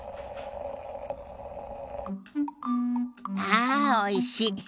ああおいし。